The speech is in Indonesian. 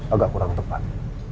agak kurang tepat